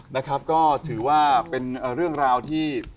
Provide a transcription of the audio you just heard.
นะครับก็ถือว่าเป็นเรื่องราวที่